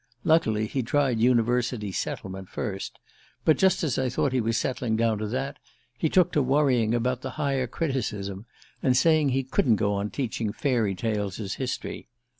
Luckily he tried University Settlement first; but just as I thought he was settling down to that, he took to worrying about the Higher Criticism, and saying he couldn't go on teaching fairy tales as history.